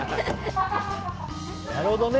なるほどね。